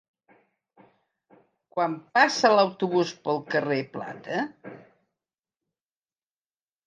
Quan passa l'autobús pel carrer Plata?